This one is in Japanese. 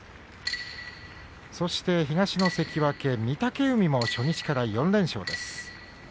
そして東の関脇御嶽海も初日から４連勝です。